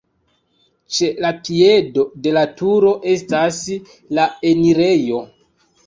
Ĉe la piedo de la turo estas la enirejo.